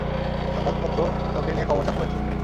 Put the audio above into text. সংবাদপত্রে তোকে নিয়ে খবর ছাঁপা হয়েছে।